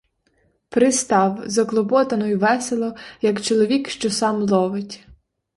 Пристав — заклопотано й весело, як чоловік, що сам ловить.